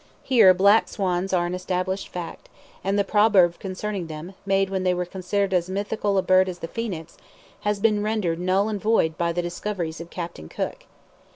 Here black swans are an established fact, and the proverb concerning them, made when they were considered as mythical a bird as the Phoenix, has been rendered null and void by the discoveries of Captain Cook.